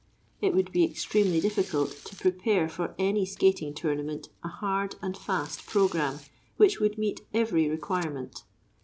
It would be extremely difficult to prepare for any skating tournament a hard and fast programme which would meet every requirement.